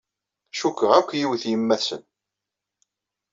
Cukkeɣ akk yiwet yemma-t-sen.